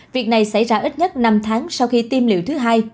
việc này xảy ra ít nhất năm tháng sau khi tiêm liệu thứ hai